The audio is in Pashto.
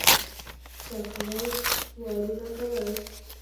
څپلۍ وارونه کول.